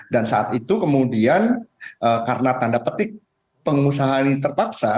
dan saat itu kemudian karena tanda petik pengusahaan ini terpaksa